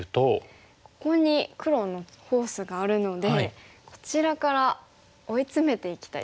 ここに黒のフォースがあるのでこちらから追い詰めていきたいですね。